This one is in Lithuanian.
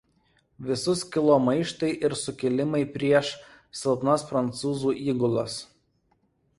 Visus kilo maištai ir sukilimai prieš silpnas prancūzų įgulas.